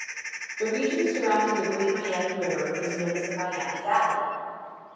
The region surrounding the Great Miami River is known as the Miami Valley.